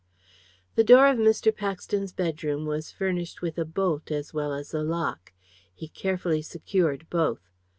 The door of Mr. Paxton's bedroom was furnished with a bolt as well as a lock. He carefully secured both.